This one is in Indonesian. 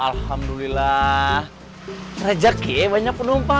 alhamdulillah rejeki banyak penumpang